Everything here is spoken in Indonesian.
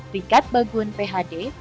rikat bagun phd